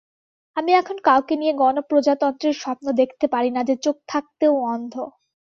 আমি এখন কাউকে নিয়ে গণপ্রজাতন্ত্রের স্বপ্ন দেখতে পারি না যে চোখ থাকতেও অন্ধ।